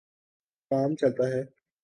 کام چلتا ہے۔